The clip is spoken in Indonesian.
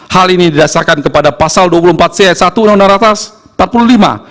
hal ini didasarkan kepada pasal dua puluh empat c h satu empat puluh lima